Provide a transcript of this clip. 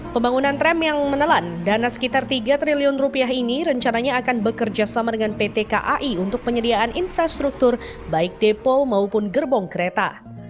pembangunan tram yang menelan dana sekitar tiga triliun rupiah ini rencananya akan bekerja sama dengan pt kai untuk penyediaan infrastruktur baik depo maupun gerbong kereta